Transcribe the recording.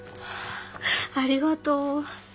ありがとう。